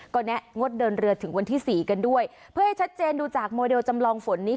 ก็แงะงดเดินเรือถึงวันที่สี่กันด้วยเพื่อให้ชัดเจนดูจากโมเดลจำลองฝนนี้